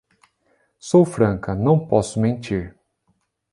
Sou franca, não posso mentir!